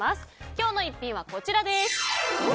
今日の逸品はこちらです。